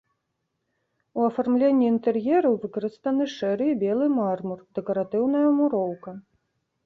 У афармленні інтэр'ераў выкарыстаны шэры і белы мармур, дэкаратыўная муроўка.